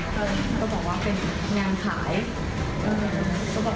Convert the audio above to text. ก็บอกว่าเท่าไหร่